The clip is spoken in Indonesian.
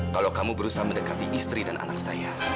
kalau kamu berusaha mendekati istri dan anak saya